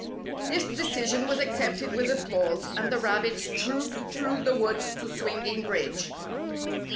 This decision was accepted with applause, and the rabbits trooped through the woods to Swing ing Bridge.